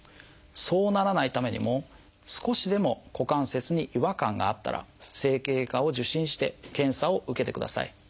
そうならないためにも少しでも股関節に違和感があったら整形外科を受診して検査を受けてください。